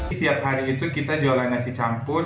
setiap hari itu kita jualan nasi campur